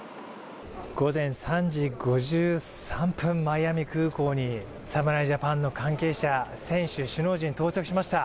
午前３時５３分、マイアミ空港に侍ジャパンの関係者、選手、首脳陣到着しました。